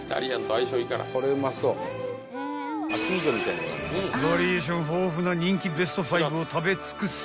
［バリエーション豊富な人気ベスト５を食べ尽くす］